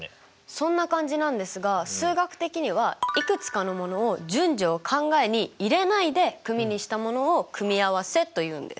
そんな感じなんですが数学的にはいくつかのものを順序を考えに入れないで組にしたものを組合せというんです。